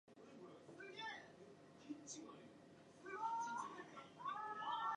The book was the source for Charlie Kaufman's screenplay for the movie Adaptation.